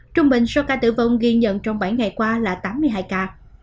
trung bình số ca tử vong ghi nhận trong bảy ngày qua là tám mươi hai ca